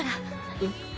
えっ？